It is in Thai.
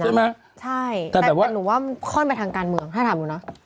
ใช่ไหมใช่แต่แบบว่าแต่หนูว่ามันข้อนไปทางการเมืองให้ถามหนูนะ